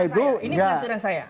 ini penafsiran saya